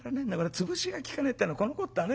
潰しがきかねえってのはこのこったね。